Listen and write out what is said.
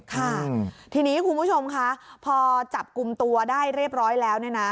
ค่ะทีนี้คุณผู้ชมค่ะพอจับกุมตัวได้เรียบร้อยแล้ว